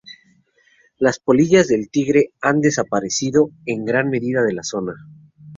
Las polillas del tigre han desaparecido en gran medida de la zona.